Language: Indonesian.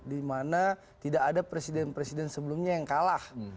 dimana tidak ada presiden presiden sebelumnya yang kalah